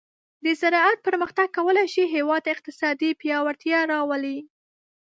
د زراعت پرمختګ کولی شي هیواد ته اقتصادي پیاوړتیا راولي.